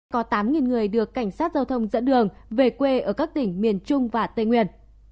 có tám người được cảnh sát giao thông dẫn đường về quê ở các tỉnh miền trung và tây nguyên